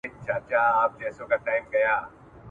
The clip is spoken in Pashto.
وایه مُلاجانه له پېریان سره به څه کوو !.